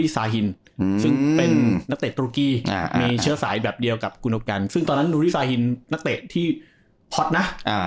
ซึ่งเป็นนักเตะอ่ามีเชื่อสายแบบเดียวกับซึ่งตอนนั้นนักเตะที่อ่า